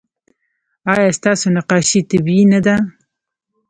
ایا ستاسو نقاشي طبیعي نه ده؟